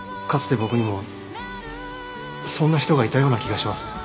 かつて僕にもそんな人がいたような気がします。